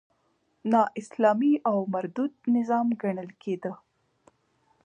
نا اسلامي او مردود نظام ګڼل کېده.